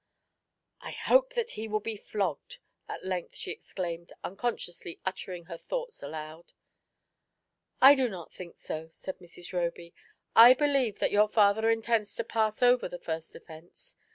"I hope that he will be flogged ! at length she ex claimed, unconsciously uttering her thoughts aloud. "I do not think so, said Mrs. Roby; "I believe that your father intends to pass over the first offence.